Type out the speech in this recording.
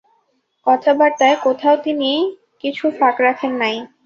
কথাবার্তায় কোথাও তিনি কিছু ফাঁক রাখেন নাই।